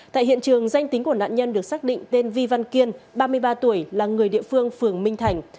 tại hiện trường danh tính của nạn nhân được xác định tên vi văn kiên ba mươi ba tuổi là người địa phương phường minh thành